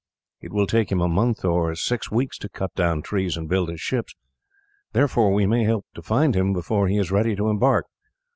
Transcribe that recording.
It will take him a month or six weeks to cut down trees and build his ships; therefore we may hope to find him before he is ready to embark.